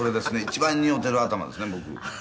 一番似合うてる頭ですね僕」